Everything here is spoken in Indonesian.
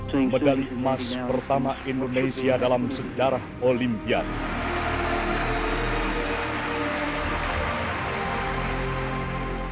pemedali emas pertama indonesia dalam sejarah olimpiade